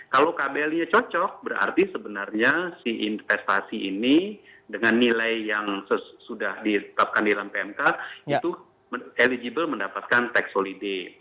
kalau kbli nya cocok berarti sebenarnya si investasi ini dengan nilai yang sudah ditetapkan di dalam pmk itu eligible mendapatkan tax holiday